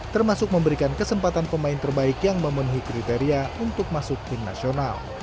termasuk memberikan kesempatan pemain terbaik yang memenuhi kriteria untuk masuk tim nasional